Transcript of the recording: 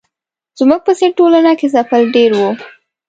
زموږ په څېر ټولنه کې ځپل ډېر وو.